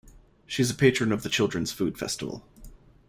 She is a patron of the Children's food festival.